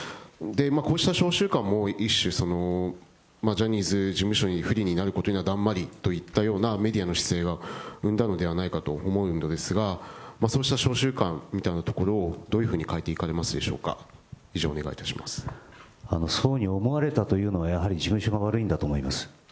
こうした商習慣も一種、ジャニーズ事務所に不利になるようなことにはだんまりといったメディアの姿勢が生んだのではないかと思うんですが、そうした商習慣というようなものをどういうふうに変えていかれるそういうふうに思われたというのはやはり事務所が悪いんだと思います。